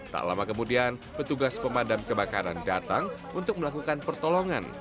tak lama kemudian petugas pemadam kebakaran datang untuk melakukan pertolongan